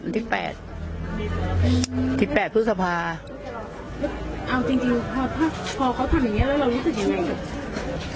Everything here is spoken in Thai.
วันที่แปดที่แปดพฤษภาเอาจริงจริงพอพอเขาทำอย่างเงี้ยแล้วเรารู้สึกยังไง